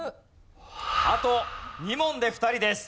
あと２問で２人です。